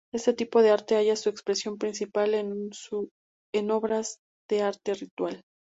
Este tipo de arte halla su expresión principalmente en obras de arte ritual.